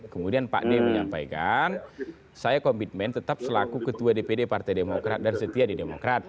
kemudian pak d menyampaikan saya komitmen tetap selaku ketua dpd partai demokrat dan setia di demokrat